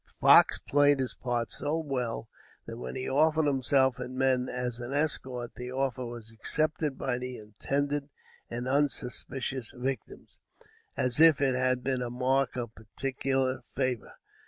Fox played his part so well that when he offered himself and men as an escort, the offer was accepted by the intended and unsuspicious victims, as if it had been a mark of particular favor.